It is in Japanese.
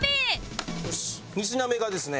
２品目がですね